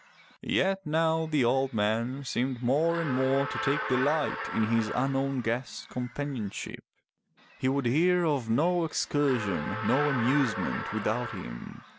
Yet now the old man seemed more and more to take delight in his unknown guest's companionship; he would hear of no excursion, no amusement without him.